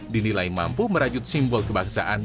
dinilai mampu merajut simbol kebangsaan